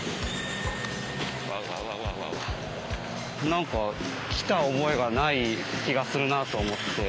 何か来た覚えがない気がするなあと思って。